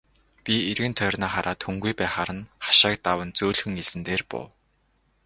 Би эргэн тойрноо хараад хүнгүй байхаар нь хашааг даван зөөлхөн элсэн дээр буув.